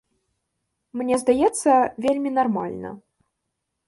Мне здаецца, вельмі нармальна.